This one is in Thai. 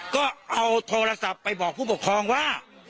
ก็เอาโทรศัพท์ไปบอกผู้ปกครองว่า